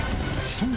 そう！